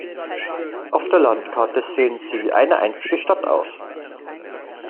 Auf der Landkarte sehen sie wie eine einzige Stadt aus.